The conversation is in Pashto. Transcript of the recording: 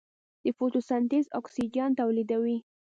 د فوټوسنتز اکسیجن تولیدوي.